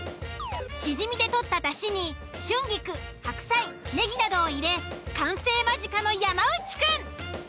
シジミでとっただしに春菊・白菜・ネギなどを入れ完成間近の山内くん。